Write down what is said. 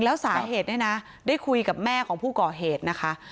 แล้วสาเหตุเนี่ยนะได้คุยกับแม่ของผู้ก่อเหตุนะคะ